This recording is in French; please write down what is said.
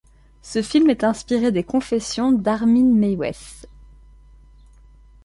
Ce film est inspiré des confessions d'Armin Meiwes.